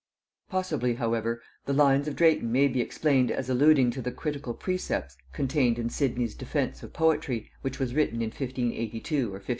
Possibly however the lines of Drayton may be explained as alluding to the critical precepts contained in Sidney's Defence of Poetry, which was written in 1582 or 1583.